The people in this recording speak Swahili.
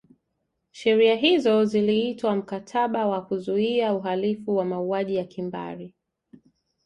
sheria hizo ziliitwa mkataba wa kuzuia uhalifu wa mauaji ya kimbari